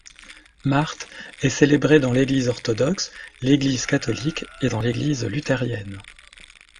Marthe est célébrée dans l'Église orthodoxe, l'Église catholique et dans l'Église luthérienne.